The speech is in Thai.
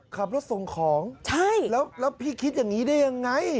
ขับรถส่งของใช่แล้วพี่คิดอย่างนี้ได้ยังไง